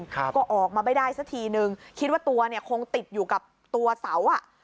ครับก็ออกมาไม่ได้สักทีนึงคิดว่าตัวเนี่ยคงติดอยู่กับตัวเสาอ่ะ